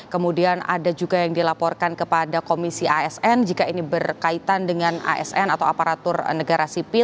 kemudian ada juga yang dilaporkan kepada komisi asn jika ini berkaitan dengan asn atau aparatur negara sipil